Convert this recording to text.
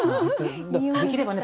できればね